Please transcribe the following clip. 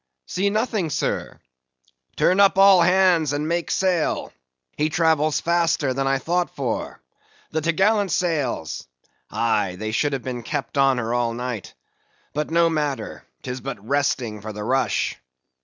"See nothing, sir." "Turn up all hands and make sail! he travels faster than I thought for;—the top gallant sails!—aye, they should have been kept on her all night. But no matter—'tis but resting for the rush."